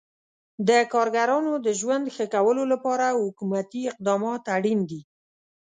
د کارګرانو د ژوند ښه کولو لپاره حکومتي اقدامات اړین دي.